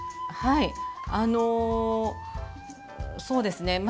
はいあのそうですね